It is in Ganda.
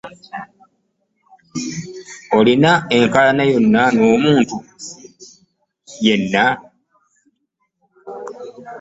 Olina enkaayana n'omuntu yenna?